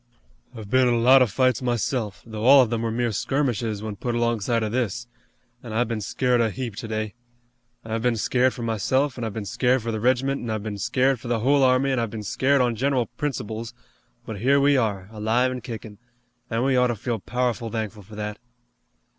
"I've been in a lot of fights myself, though all of them were mere skirmishes when put alongside of this, an' I've been scared a heap today. I've been scared for myself, an' I've been scared for the regiment, an' I've been scared for the whole army, an' I've been scared on general principles, but here we are, alive an' kickin', an' we ought to feel powerful thankful for that."